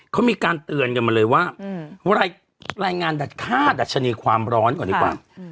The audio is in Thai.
เขามีการเตือนกันมาเลยว่าอืมว่าไล่รายงานดัดค่าดัดชนีความร้อนก่อนดีกว่าค่ะอืม